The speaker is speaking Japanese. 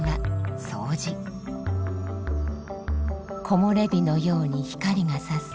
木もれ日のように光がさす